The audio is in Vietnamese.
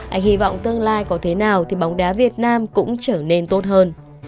anh hy vọng tương lai có thế nào thì bóng đá việt nam cũng trở nên tốt hơn